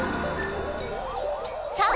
さあ！